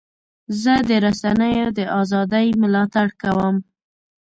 زه د رسنیو د ازادۍ ملاتړ کوم.